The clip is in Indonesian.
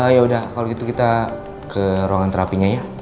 ya udah kalau gitu kita ke ruangan terapinya ya